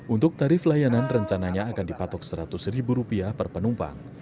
untuk tarif layanan rencananya akan dipatok rp seratus per penumpang